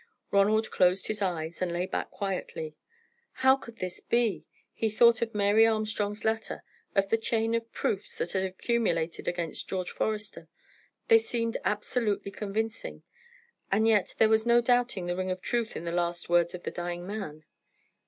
Ronald closed his eyes, and lay back quietly. How could this be? He thought of Mary Armstrong's letter, of the chain of proofs that had accumulated against George Forester. They seemed absolutely convincing, and yet there was no doubting the ring of truth in the last words of the dying man.